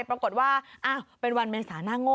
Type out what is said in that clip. ปรากฏว่าเป็นวันเมษาหน้าโง่